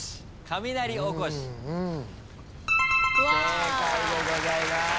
正解でございます。